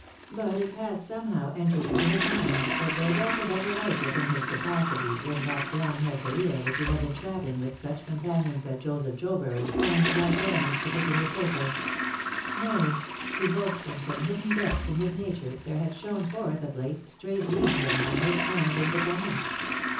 But it had somehow entered into his mind that there was a better life within his capacity than that downhill career which he had been travelling with such companions as Joseph Jobury and that gentleman's particular circle. Nay, evoked from some hidden depths in his nature, there had shone forth of late stray gleams of manhood and independence.